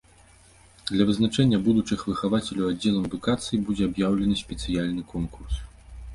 Для вызначэння будучых выхавацеляў аддзелам адукацыі будзе аб'яўлены спецыяльны конкурс.